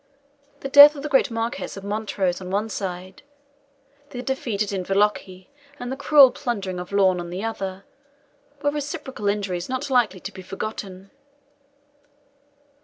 The death of the great Marquis of Montrose on the one side, the defeat at Inverlochy, and cruel plundering of Lorn, on the other, were reciprocal injuries not likely to be forgotten.